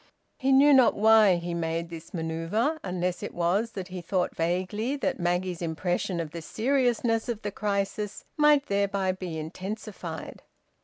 He knew not why he made this manoeuvre, unless it was that he thought vaguely that Maggie's impression of the seriousness of the crisis might thereby be intensified.